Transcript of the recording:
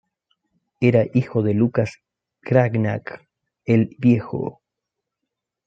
Era hijo de Lucas Cranach el Viejo.